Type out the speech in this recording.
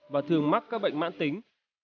và thường mắc các bệnh mãn tính